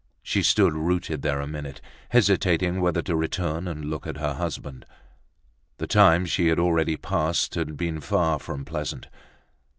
She stood rooted there a minute, hesitating whether to return and look at her husband. The time she had already passed had been far from pleasant.